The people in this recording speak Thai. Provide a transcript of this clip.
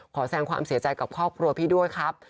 แสดงความเสียใจกับครอบครัวพี่ด้วยครับ